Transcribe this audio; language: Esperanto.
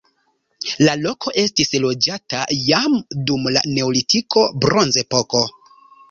La loko estis loĝata jam dum la neolitiko, bronzepoko.